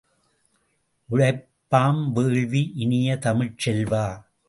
உழைப்பாம் வேள்வி இனிய தமிழ்ச் செல்வ!